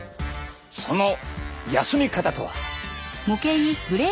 その休み方とは。